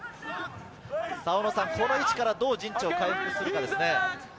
この位置からどう陣地を回復するかですね。